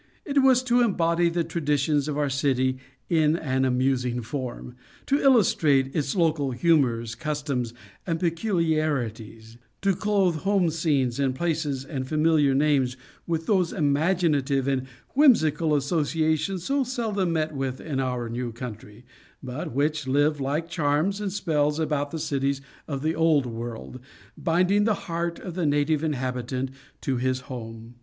It was to embody the traditions of our city in an amusing form; to illustrate its local humors, customs and peculiarities; to clothe home scenes and places and familiar names with those imaginative and whimsical associations so seldom met with in our new country, but which live like charms and spells about the cities of the old world, binding the heart of the native inhabitant to his home.